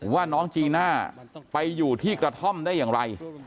ว่าน้องจีน่าไปอยู่ที่กระท่อมได้อย่างไร